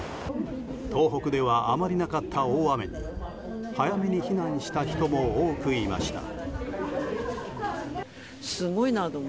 東北ではあまりなかった大雨に早めに避難した人も多くいました。